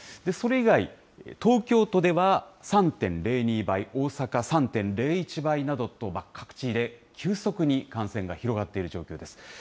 それ以外、東京都では３．０２倍、大阪３．０１倍などと、各地で急速に感染が広がっている状況です。